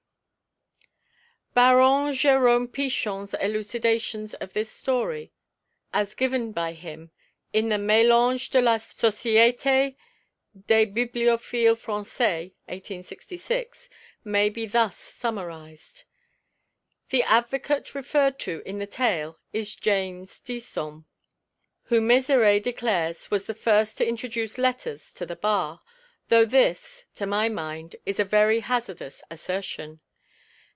Baron Jerome Pichon's elucidations of this story, as given by him in the Mélanges de la Société des Bibliophiles Français, 1866, may be thus summarised: The advocate referred to in the tale is James Disome, who Mézeray declares was the first to introduce Letters to the bar, though this, to my mind, is a very hazardous assertion.